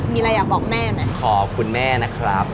มีอะไรอยากบอกแม่ไหมขอบคุณแม่นะครับ